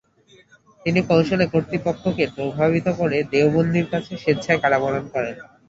তিনি কৌশলে কর্তৃপক্ষকে প্রভাবিত করে দেওবন্দির সাথে স্বেচ্ছায় কারাবরণ করেন।